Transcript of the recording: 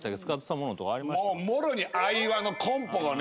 もうもろにアイワのコンポをね